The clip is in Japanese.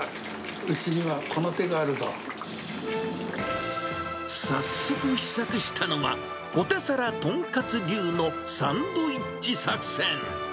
うちにはこの手があ早速、試作したのはポテサラトンカツ流のサンドイッチ作戦。